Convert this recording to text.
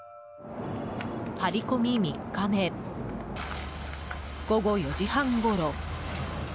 張り込み３日目、午後４時半ごろ。